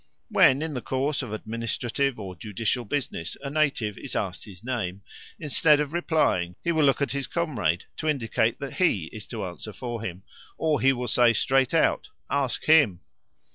When in the course of administrative or judicial business a native is asked his name, instead of replying he will look at his comrade to indicate that he is to answer for him, or he will say straight out, "Ask him."